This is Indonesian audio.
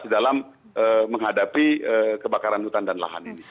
dalam menghadapi kebakaran hutan dan lahan ini